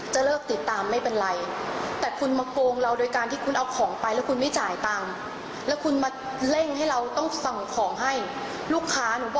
เลิกติดตามไม่เป็นไรแต่คุณมาโกงเราโดยการที่คุณเอาของไปแล้วคุณไม่จ่ายตังค์